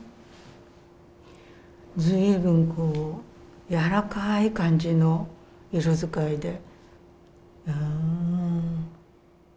随分柔らかい感じの色使いで。